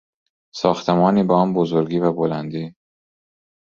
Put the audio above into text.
ساختمانی به آن بزرگی و بلندی